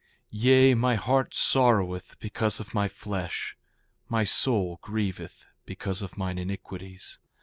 Yea, my heart sorroweth because of my flesh; my soul grieveth because of mine iniquities.